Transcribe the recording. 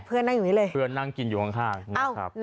เพื่อนนั่งอยู่นี่เลยเพื่อนนั่งกินอยู่ข้าง